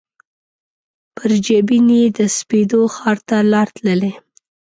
پر جبین یې د سپېدو ښار ته لار تللي